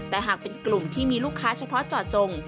แต่หากเป็นกลุ่มที่มีลูกค้าเฉพาะเจาะจง